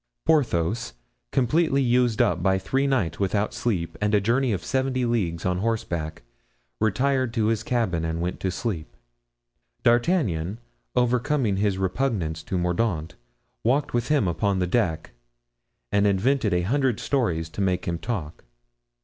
Porthos, completely used up by three nights without sleep and a journey of seventy leagues on horseback, retired to his cabin and went to sleep. D'Artagnan, overcoming his repugnance to Mordaunt, walked with him upon the deck and invented a hundred stories to make him talk.